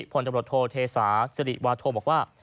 พลตำรวจโทเทศาสิริวาโทบอกว่า